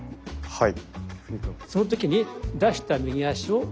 はい。